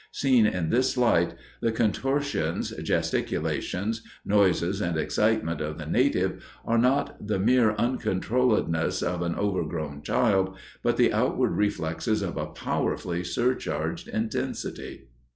Seen in this light, the contortions, gesticulations, noises, and excitement of the native are not the mere uncontrolledness of an overgrown child, but the outward reflexes of a powerfully surcharged intensity."